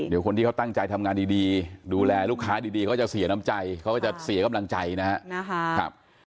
เดี๋ยวคนที่เขาตั้งใจทำงานดีดูแลลูกค้าดีเขาจะเสียน้ำใจเขาก็จะเสียกำลังใจนะครับ